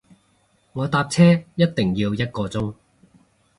我搭車一定要一個鐘